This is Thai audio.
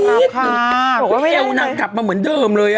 ค่ะบอกว่าไม่ได้เลยเอวนางกลับมาเหมือนเดิมเลยอ่ะ